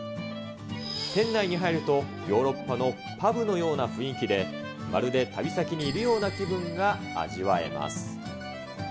店内に入ると、ヨーロッパのパブのような雰囲気で、まるで旅先にいるような気分が味わえます。